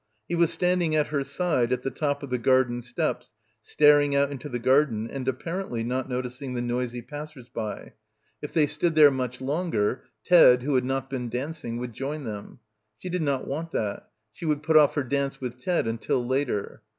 He was standing at her side at the top of the garden steps staring out into the garden and ap parently not noticing the noisy passers by. If they stood there much longer, Ted, who had not been dancing, would join them. She did not want that. She would put off her dance with Ted until later.